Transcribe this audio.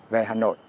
về hà nội